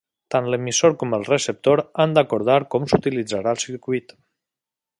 Tant l'emissor com el receptor han d'acordar com s'utilitzarà el circuit.